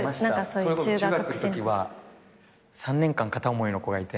それこそ中学のときは３年間片思いの子がいて。